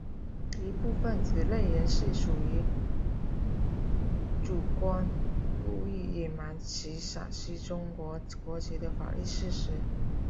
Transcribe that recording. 一部分此类人士属于主观故意隐瞒其丧失中国国籍的法律事实。